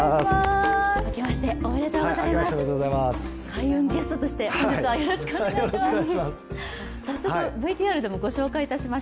開運ゲストとして本日はよろしくお願いします。